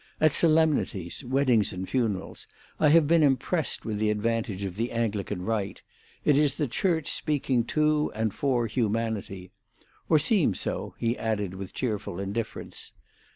At solemnities— weddings and funerals—I have been impressed with the advantage of the Anglican rite: it is the Church speaking to and for humanity—or seems so," he added, with cheerful indifference.